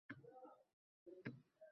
Nazarimda, u kishi mendan noroziday